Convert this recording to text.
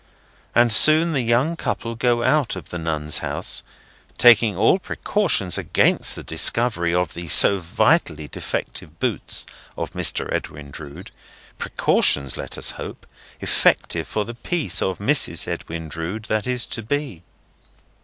And soon the young couple go out of the Nuns' House, taking all precautions against the discovery of the so vitally defective boots of Mr. Edwin Drood: precautions, let us hope, effective for the peace of Mrs. Edwin Drood that is to be.